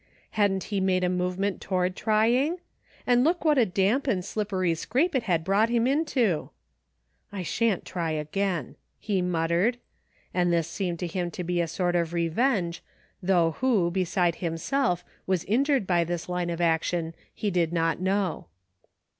•• Hadn't he made a movement toward trying } And look what a damp and slip pery scrape it had brought him into !" I sha'n't try again," he muttered. And this seemed to him to be a sort of revenge, though who, beside himself, was injured by this line of action he did not know.